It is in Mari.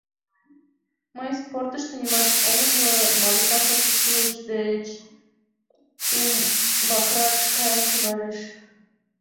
Мый спортышто нимат ом умыло, — Малика шокшо шӱлыш деч умбакрак каен шогалеш.